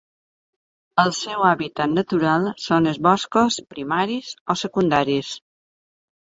El seu hàbitat natural són els boscos primaris o secundaris.